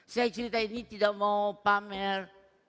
saya cerita ini tidak mau pamer